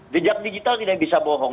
jejak digital tidak bisa bohong